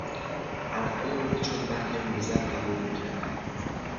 حرفهای او را چون وحی منزل قبول میکردند.